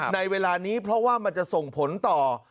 ในเวลานี้เพราะว่ามันจะส่งผลต่อ